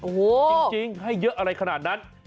โอ้โหจริงให้เยอะอะไรขนาดนั้น